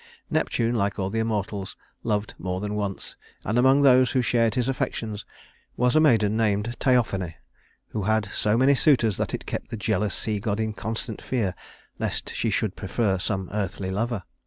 Neptune, like all the immortals, loved more than once; and among those who shared his affections was a maiden named Theophane, who had so many suitors that it kept the jealous sea god in constant fear lest she should prefer some earthly lover.